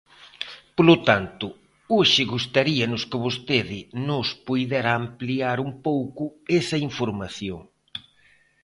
Polo tanto, hoxe gustaríanos que vostede nos puidera ampliar un pouco esa información.